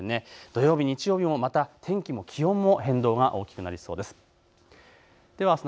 土曜日、日曜日も天気も気温も変動が大きくなりそうです。